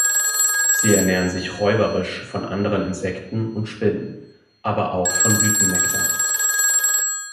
Sie ernähren sich räuberisch von anderen Insekten und Spinnen, aber auch von Blütennektar.